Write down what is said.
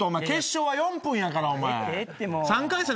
決勝は４分やから。